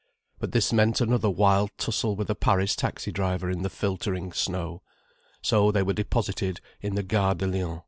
But this meant another wild tussle with a Paris taxi driver, in the filtering snow. So they were deposited in the Gare de Lyon.